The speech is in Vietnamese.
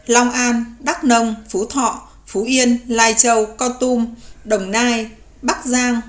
long an đắk nông phú thọ phú yên lai châu con tum đồng nai bắc giang